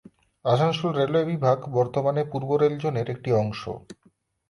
Asansol railway বিভাগ বর্তমানে পূর্ব রেল জোনের একটি অংশ।